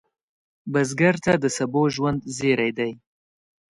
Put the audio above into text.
بزګر ته د سبو ژوند زېری دی